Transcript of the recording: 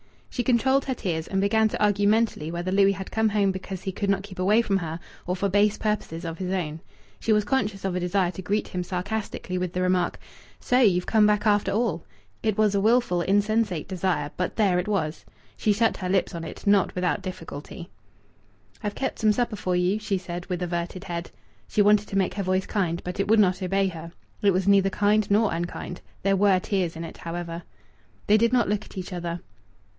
She controlled her tears, and began to argue mentally whether Louis had come home because he could not keep away from her, or for base purposes of his own. She was conscious of a desire to greet him sarcastically with the remark, "So you've come back, after all!" It was a wilful, insensate desire; but there it was. She shut her lips on it, not without difficulty. "I've kept some supper for you," she said, with averted head. She wanted to make her voice kind, but it would not obey her. It was neither kind nor unkind. There were tears in it, however. They did not look at each other.